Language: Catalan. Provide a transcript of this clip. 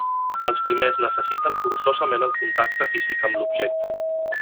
Els primers necessiten forçosament el contacte físic amb l'objecte.